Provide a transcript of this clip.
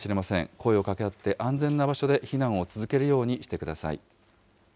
声をかけ合って安全な場所で避難を続けるようにしてください。